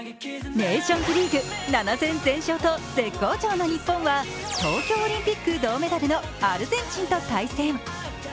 ネーションズリーグ７戦全勝と絶好調の日本は東京オリンピック銅メダルのアルゼンチンと対戦。